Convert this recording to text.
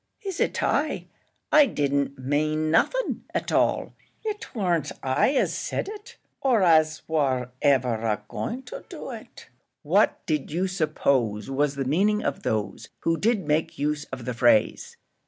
"Is it I? I didn't mane nothin' at all: it warn't I as said it or as war ever a going to do it." "What did you suppose was the meaning of those who did make use of the phrase?"